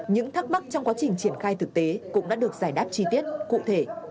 những thắc mắc trong quá trình triển khai thực tế cũng đã được giải đáp chi tiết cụ thể